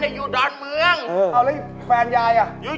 สามีคุณยายก่อน